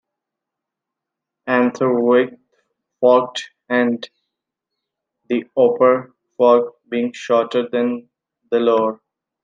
Anther with forked end, the upper fork being shorter than the lower.